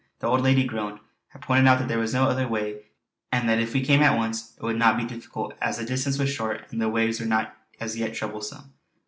The old lady groaned. I pointed out that there was no other way, and that if we came at once it would not be difficult, as the distance was short and the waves were not as yet troublesome.